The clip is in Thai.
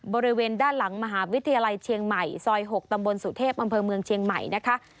บริเวณด้านหลังมหาวิทยาลัยเชียงใหม่ซอย๖ตำบลสุเทพอำเภอเมืองเชียงใหม่นะคะ